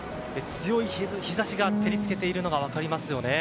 強い日差しが照り付けているのが分かります。